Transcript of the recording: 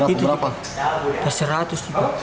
itu seratus juga